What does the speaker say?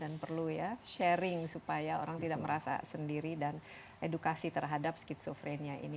dan perlu ya sharing supaya orang tidak merasa sendiri dan edukasi terhadap skizofrenia ini